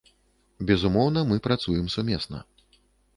Безумоўна, мы працуем сумесна.